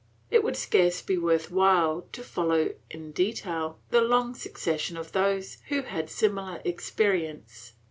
It would scarce be worth while to follow in detail the long succession of those who had simi lar experience.